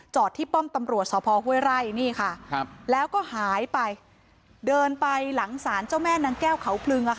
ที่ป้อมตำรวจสพห้วยไร่นี่ค่ะครับแล้วก็หายไปเดินไปหลังศาลเจ้าแม่นางแก้วเขาพลึง